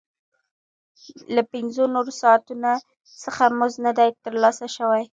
له پنځه نورو ساعتونو څخه مزد نه دی ترلاسه شوی